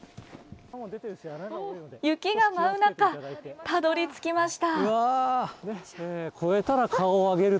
雪が舞う中、たどり着きました。